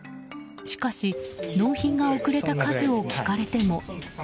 しかし、納品が遅れた数を聞かれても。